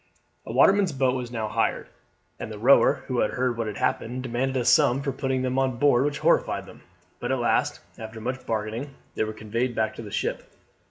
A waterman's boat was now hired, and the rower, who had heard what had happened, demanded a sum for putting them on board which horrified them; but at last, after much bargaining, they were conveyed back to the ship.